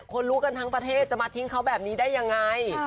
รู้กันทั้งประเทศจะมาทิ้งเขาแบบนี้ได้ยังไง